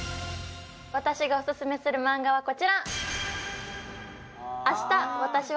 私がオススメするマンガはこちら！